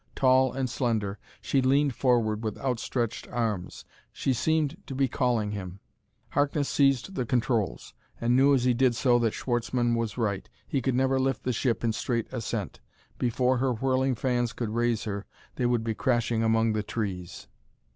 Tall and slender, she leaned forward with outstretched arms. She seemed calling to him. Harkness seized the controls, and knew as he did so that Schwartzmann was right: he could never lift the ship in straight ascent. Before her whirling fans could raise her they would be crashed among the trees.